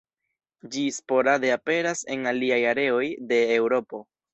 Ĝi sporade aperas en aliaj areoj de Eŭropo.